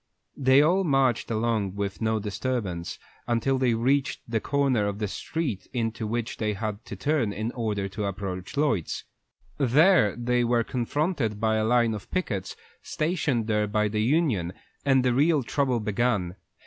They all marched along with no disturbance until they reached the corner of the street into which they had to turn in order to approach Lloyd's. There they were confronted by a line of pickets, stationed there by the union, and the real trouble began.